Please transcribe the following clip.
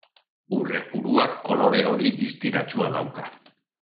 Urre puruak kolore hori distiratsua dauka.